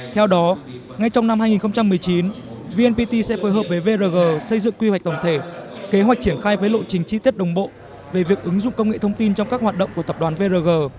theo đó ngay trong năm hai nghìn một mươi chín vnpt sẽ phối hợp với vrg xây dựng quy hoạch tổng thể kế hoạch triển khai với lộ trình chi tiết đồng bộ về việc ứng dụng công nghệ thông tin trong các hoạt động của tập đoàn vrg